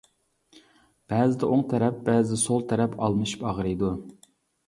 بەزىدە ئوڭ تەرەپ، بەزىدە سول تەرەپ ئالمىشىپ ئاغرىيدۇ.